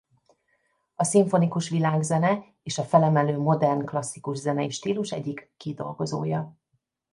A szimfonikus világzene és a felemelő modern klasszikus zenei stílus egyik kidolgozója.